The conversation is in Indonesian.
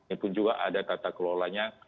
itu juga ada tata kelolanya